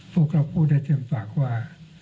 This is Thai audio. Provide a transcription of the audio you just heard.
พวกเราพูดได้เต็มปากว่า